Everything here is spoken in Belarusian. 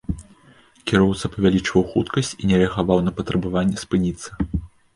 Кіроўца павялічваў хуткасць і не рэагаваў на патрабаванне спыніцца.